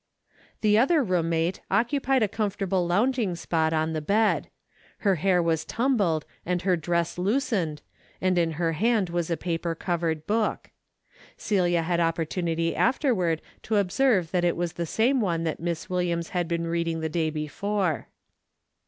The other roommate occupied a comfortable lounging spot on the bed. Her hair was tum bled and her dress loosened, and in her hand was a paper covered book. Celia had oppor 274 A DAILY BATE:^ tunity afterward to observe that it was the same one that Miss Williams had been reading the day before.